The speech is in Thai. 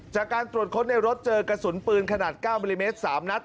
จากการตรวจค้นในรถเจอกระสุนปืนขนาด๙มิลลิเมตร๓นัด